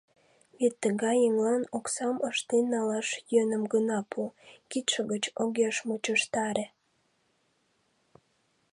Вет тыгай еҥлан оксам ыштен налаш йӧным гына пу, кидше гыч огеш мучыштаре.